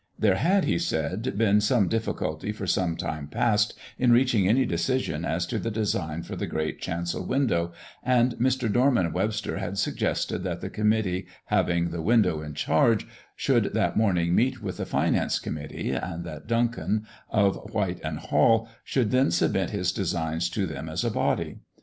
There had, he said, been some difficulty for some time past in reaching any decision as to the design for the great chancel window, and Mr. Dorman Webster had suggested that the committee having the window in charge should that morning meet with the finance committee, and that Duncan, of White & Wall, should then submit his designs to them as a body.